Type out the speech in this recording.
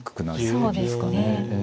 そうですね。